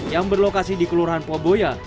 yang berlokasi di kelurahan poboya